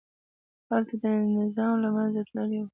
هلته دا نظام له منځه تللي وو.